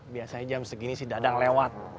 biasanya jam segini sih dadang lewat